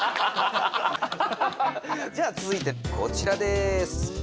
じゃあ続いてこちらです。